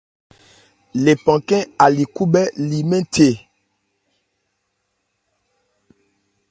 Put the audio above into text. Lephan khɛ́n a li khúbhɛ́ li mɛn the.